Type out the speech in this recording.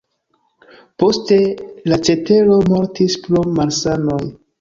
Poste, la cetero mortis pro malsanoj.